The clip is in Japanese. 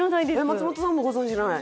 松本さんもご存じない？